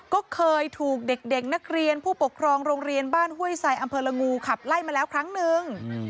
ก็เคยถูกเด็กนักเรียนผู้ปกครองโรงเรียนบ้านห้วยไซอำเภอละงูขับไล่มาแล้วครั้งนึง